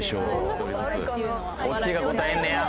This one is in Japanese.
どっちが答えんねや？